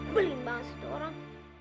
belimbang sih dia orang